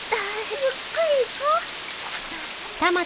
ゆっくり行こう。